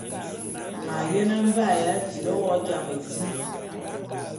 M’ ayene mvae ya tili wo jam di.